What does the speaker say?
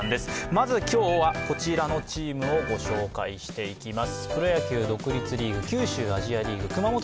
まず今日はこちらのチームをご紹介していきます。